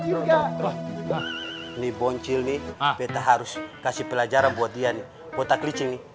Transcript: juga nih boncil nih betah harus kasih pelajaran buat dia nih kota kecil nih